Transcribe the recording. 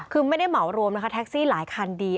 คือไม่ได้เหมารวมนะคะแท็กซี่หลายคันดี